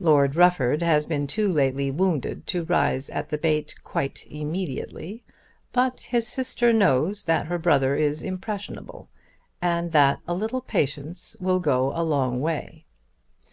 Lord Rufford has been too lately wounded to rise at the bait quite immediately; but his sister knows that her brother is impressionable and that a little patience will go a long way.